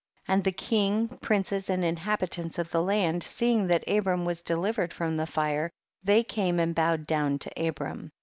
And the king, princes and inhabitants of the land, seeing that Abram was delivered from the fire, they came and bowed down to Abram.